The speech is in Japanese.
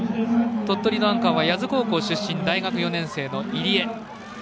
鳥取のアンカーは八頭高校出身大学４年生の入江。